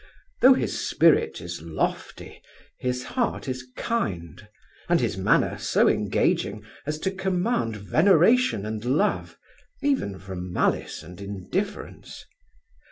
Tho' his spirit is lofty, his heart is kind; and his manner so engaging, as to command veneration and love, even from malice and indifference.